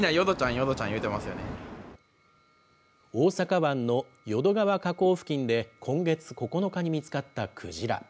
大阪湾の淀川河口付近で今月９日に見つかったクジラ。